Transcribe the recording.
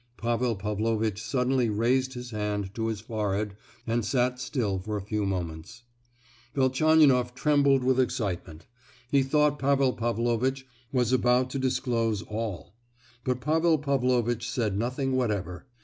Pavel Pavlovitch suddenly raised his hand to his forehead and sat still for a few moments. Velchaninoff trembled with excitement. He thought Pavel Pavlovitch was about to disclose all; but Pavel Pavlovitch said nothing whatever.